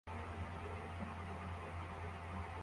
Umugore ufite amaso afunze yambaye umwenda wera na sandal